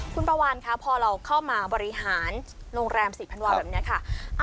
คุณปลาวานค่ะพอเราเข้ามาบริหารโรงแรม๔๐๐วันแบบนี้ค่ะ